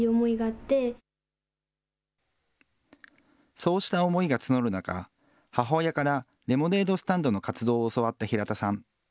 そうした思いが募る中、母親からレモネードスタンドの活動を教わった平田さん。